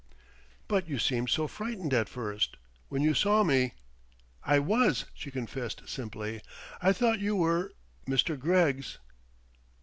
"But you seemed so frightened at first when you saw me " "I was," she confessed simply; "I thought you were Mr. Greggs."